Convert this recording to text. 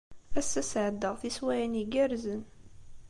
Ass-a, sɛeddaɣ tiswiɛin igerrzen.